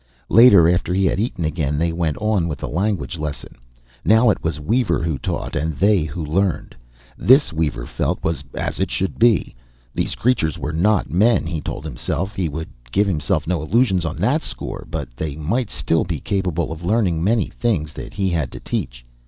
Later, after he had eaten again, they went on with the language lesson. Now it was Weaver who taught, and they who learned. This, Weaver felt, was as it should be. These creatures were not men, he told himself; he would give himself no illusions on that score; but they might still be capable of learning many things that he had to teach.